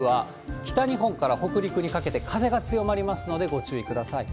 特に月曜日の夜は、北日本から北陸にかけて風が強まりますのでご注意ください。